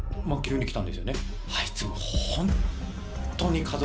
まぁ急に来たんですよね